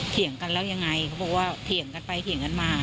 เถียงกันแล้วยังไงเขาบอกว่าเถียงกันไปเถียงกันมา